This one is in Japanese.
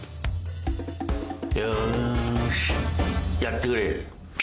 よーしやってくれ。